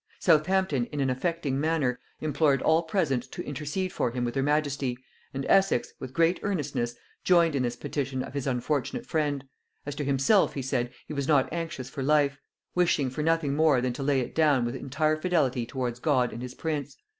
Southampton in an affecting manner implored all present to intercede for him with her majesty, and Essex, with great earnestness, joined in this petition of his unfortunate friend: as to himself, he said, he was not anxious for life; wishing for nothing more than to lay it down with entire fidelity towards God and his prince.